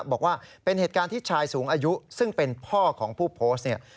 บอกว่าเป็นเหตุการณ์ที่ชายสูงอายุซึ่งเป็นพ่อของผู้โพสต์เนี่ย